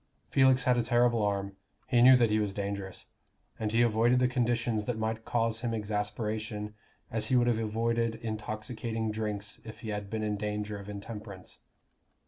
Felix had a terrible arm: he knew that he was dangerous; and he avoided the conditions that might cause him exasperation as he would have avoided intoxicating drinks if he had been in danger of intemperance.